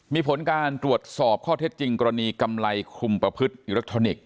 มีผลการตรวจสอบข้อเท็จจริงกรณีกำไรคลุมประพฤติอิเล็กทรอนิกส